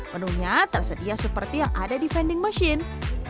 menunya tersedia seperti yang ada di vending machine